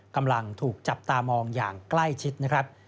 กำลังถูกจับตามองอย่างใกล้ชิดนะครับ